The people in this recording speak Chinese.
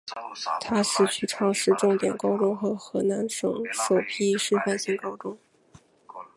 它是许昌市重点高中和河南省首批示范性高中。